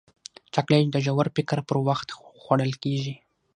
چاکلېټ د ژور فکر پر وخت خوړل کېږي.